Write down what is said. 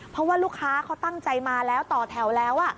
เพราะว่าลูกค้าเขาตั้งใจมาแล้วต่อแถวแล้ว